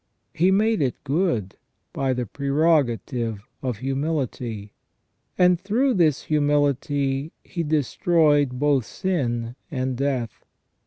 He made it good by the prerogative of humility, and through this humility He destroyed both sin and death.